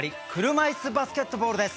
車いすバスケットボールです。